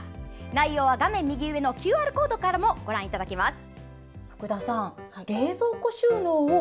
内容は画面右上のＱＲコードからご覧いただけます。